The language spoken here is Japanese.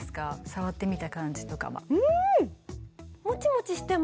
触ってみた感じとかうん！